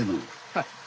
はい。